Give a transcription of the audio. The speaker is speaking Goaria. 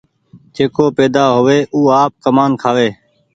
جيڪو پيدآ هووي او آپ ڪمآن کآئي۔